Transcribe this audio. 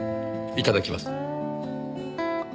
いただきます。